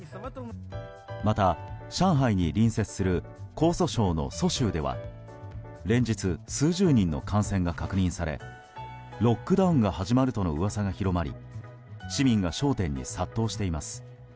また、上海に隣接する江蘇省の蘇州では連日、数十人の感染が確認されロックダウンが始まるとの噂が広まり市民が商店に殺到しています。